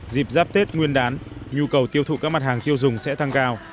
dịp giáp tết nguyên đán nhu cầu tiêu thụ các mặt hàng tiêu dùng sẽ tăng cao